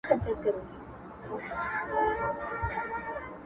• الواته کیږي په زور د وزرونو -